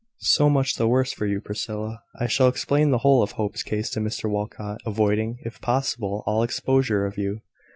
"So much the worse for you, Priscilla. I shall explain the whole of Hope's case to Mr Walcot, avoiding, if possible, all exposure of you